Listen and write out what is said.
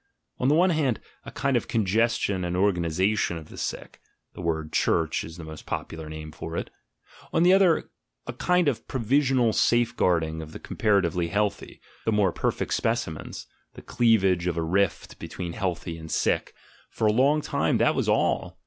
On the one hand, a kind of congestion and organisation of the sick (the word "Church" is the most popular name for it) ; on the other, a kind of provisional safeguarding of the comparatively healthy, the more perfect specimens, the cleavage of a rift between healthy and sick — for a long time that was all!